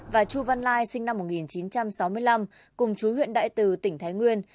và chu văn lai sinh năm một nghìn chín trăm sáu mươi năm cùng chú huyện đại từ tỉnh thái nguyên